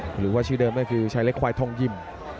หรือว่าชื่อเดิมก็คือชายเล็กควายทองยิ้ม